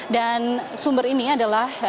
dan sumber ini adalah